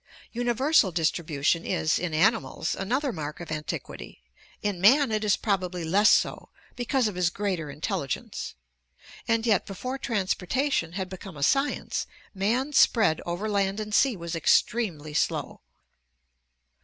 Universal distribution is, in animals, another mark of antiquity; in man, it is probably less so because of his greater intelligence. And yet before transportation had become a science man's spread over land and sea was extremely slow.